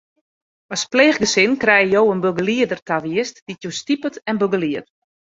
As pleechgesin krije jo in begelieder tawiisd dy't jo stipet en begeliedt.